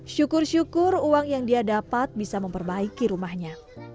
syukur syukur uang yang dia dapat bisa memperbaiki rumahnya